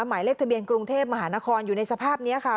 หมายเลขทะเบียนกรุงเทพมหานครอยู่ในสภาพนี้ค่ะ